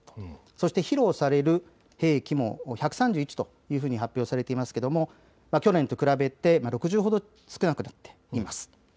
そして披露される兵器も１３１というふうに発表されていますが去年と比べて６０ほど少なくなっています。